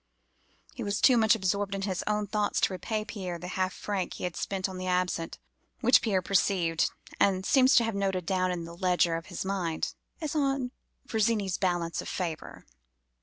He was too much absorbed in his own thoughts to repay Pierre the half franc he had spent on the absinthe, which Pierre perceived, and seems to have noted down in the ledger of his mind as on Virginie's balance of favour.